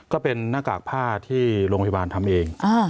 ก็เป็นหน้ากากผ้าที่โรงพยาบาลทำเอง